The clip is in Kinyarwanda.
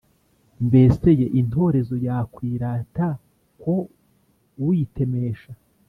Mbese ye, intorezo yakwirata ku uyitemesha ?